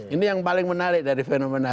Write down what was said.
ini yang paling menarik dari fenomena